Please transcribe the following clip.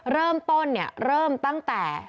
เริ่มต้นเนี่ยเริ่มตั้งแต่